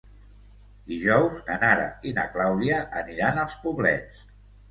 Dijous na Nara i na Clàudia aniran als Poblets.